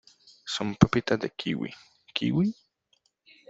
son pepitas de kiwi. ¿ kiwi?